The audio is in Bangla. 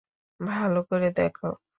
ভালো করে দেখ!